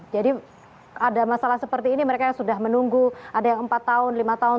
jadi ada masalah seperti ini mereka yang sudah menunggu ada yang empat tahun lima tahun